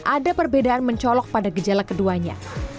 ada perbedaan mencolok pada gejala keduanya